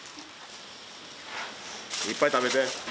いっぱい食べて。